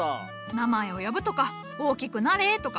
名前を呼ぶとか「大きくなれ」とか。